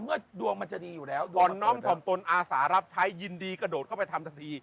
เมื่อดวงมันจะดีอยู่แล้วบ่อนน้อมถ่อมตนอาสารับใช้ยินดีกระโดดเข้าไปทำทันที